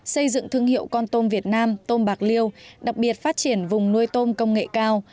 xây dựng thương hiệu con tôm việt nam tôm bạc liêu đặc biệt phát triển vùng nuôi tôm công nghệ cao